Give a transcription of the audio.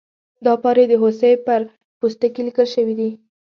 دا پارې د هوسۍ پر پوستکي لیکل شوي دي.